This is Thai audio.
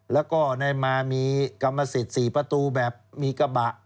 แล้วก็ได้มามีกรรมสิทธิ์๔ประตูแบบมีกระบะ